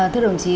thưa đồng chí